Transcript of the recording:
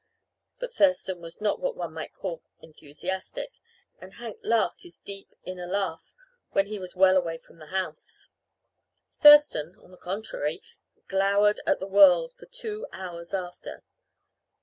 But Thurston was not what one might call enthusiastic, and Hank laughed his deep, inner laugh when he was well away from the house. Thurston, on the contrary, glowered at the world for two hours after.